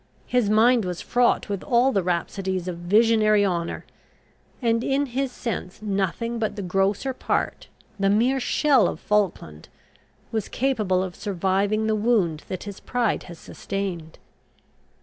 His mind was fraught with all the rhapsodies of visionary honour; and, in his sense, nothing but the grosser part, the mere shell of Falkland, was capable of surviving the wound that his pride has sustained."